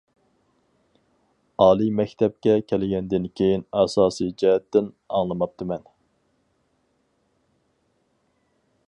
ئالىي مەكتەپكە كەلگەندىن كېيىن ئاساسىي جەھەتتىن ئاڭلىماپتىمەن.